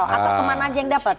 atau kemana aja yang dapat